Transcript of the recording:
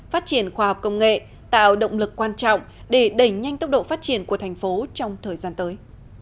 phát triển khoa học công nghệ tạo động lực quan trọng để đẩy nhanh tốc độ phát triển của thành phố trong thời gian tới